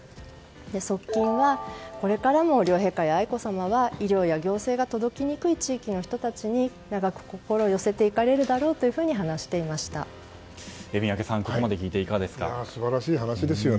側近は、これからも両陛下や愛子さまは医療や行政が届きにくい地域の人たちに長く心を寄せていかれるだろうと宮家さん、ここまで聞いて素晴らしい話ですよね。